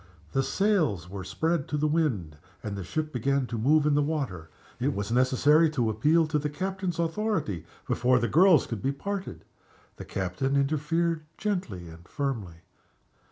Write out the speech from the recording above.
The sails were spread to the wind, and the ship began to move in the water. It was necessary to appeal to the captain's authority before the girls could be parted. The captain interfered gently and firmly.